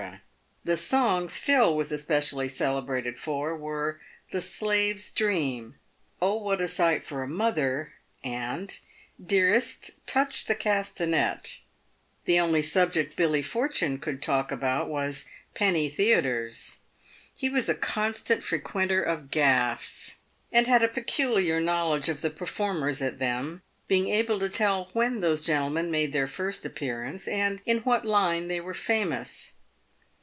The songs Phil was espe cially celebrated for were " The Slave's Dream," " O what a sight for a mother," and " Dearest, touch the castanet." The only subject Billy Fortune could talk about was penny theatres. He was a constant frequenter of gaffs, and had a peculiar knowledge of the performers at them, being able to tell when those gentlemen made their first appearance, and in what "line" they were famous.